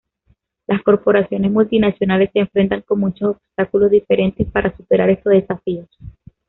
Las Corporaciones Multinacionales se enfrentan con muchos obstáculos diferentes para superar estos desafíos.